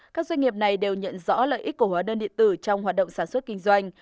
các doanh nghiệp này đều nhận rõ lợi ích của hóa đơn điện tử trong hoạt động sản xuất kinh doanh